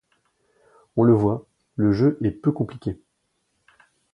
On le voit, le jeu est peu compliqué.